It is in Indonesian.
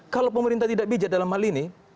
kalau pemerintah tidak bijak dalam hal ini